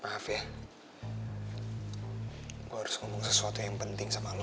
maaf ya gue harus ngomong sesuatu yang penting sama lo